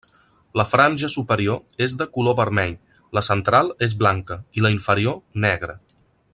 La franja superior és de color vermell, la central és blanca i la inferior negra.